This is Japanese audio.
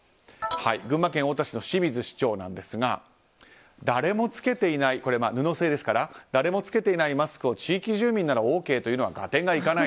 群馬県太田市の清水市長ですが誰も着けていないマスクを地域住民ならＯＫというのは合点がいかない。